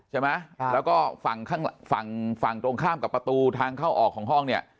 ใช่ไหมแล้วก็ฝั่งตรงข้ามกับประตูทางเข้าออกของห้องเนี่ย